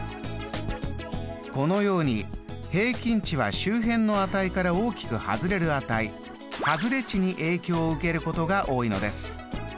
このように平均値は周辺の値から大きく外れる値外れ値に影響を受けることが多いのです。